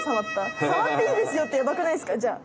さわっていいですよってやばくないですかじゃあ。